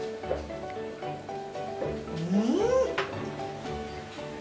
うん！